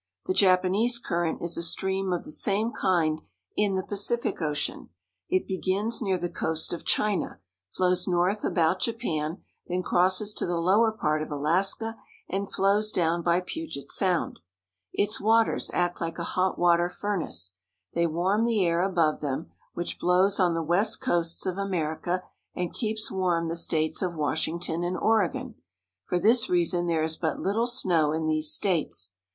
The Japanese Current is a stream of the same kind in the Pacific Ocean. It begins near the coast of China, flows north about Japan, then crosses to the lower part of CARP. N. AM. — 18 2 So THE PACIFIC NORTHWEST. Alaska, and flows down by Puget Sound. Its waters act like a hot water furnace. They warm the air above them, which blows on the west coasts of America and keeps warm the states of Washington and Oregon. For this reason there is but little snow in these states.